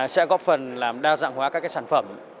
sẽ góp phần làm đa dạng hóa các sản phẩm